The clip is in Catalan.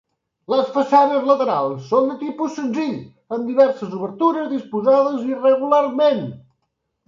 Les façanes laterals són de tipus senzill, amb diverses obertures disposades irregularment.